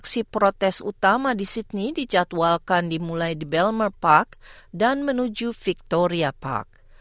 aksi protes utama di sydney dijadwalkan dimulai di belmer park dan menuju victoria park